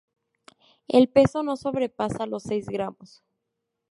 El peso no sobrepasa los seis gramos.